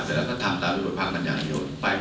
เสร็จแล้วก็ทำตามวิวปั๊กมันอย่างเดียวไปก็ได้หรอกครับ